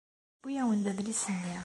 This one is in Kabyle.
Yewwi-awen-d adlis-nni.